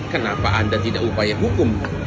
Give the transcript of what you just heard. kenapa anda tidak upaya hukum